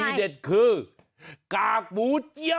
ที่เด็ดคือกากหมูเจ้า